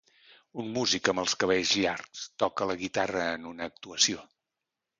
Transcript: Un músic amb els cabells llargs toca la guitarra en una actuació.